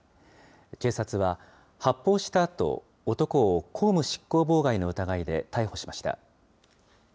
警察は、発砲したあと、男を公務執行妨害の疑いで逮捕しました。